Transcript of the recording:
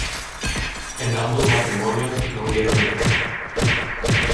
En ambos matrimonios no hubieron hijos.